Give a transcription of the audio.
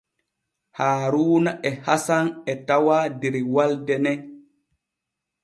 Haaruuna e Hasan e tawaa der walde nen.